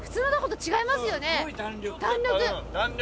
弾力。